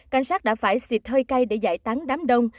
cảnh sát đã phải xịt hơi cay để giải tán đám đông